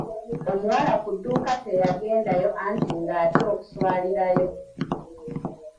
Omuwala ku dduuka teyagendayo anti nga atya okuswalirayo.